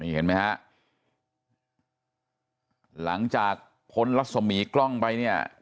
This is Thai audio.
เห็นไหมฮะหลังจากพ้นรัศมีกล้องไปเนี่ย